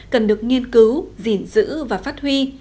cần được nghiên cứu giỉn giữ và phát huy